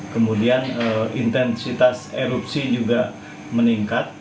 kemudian intensitas erupsi juga meningkat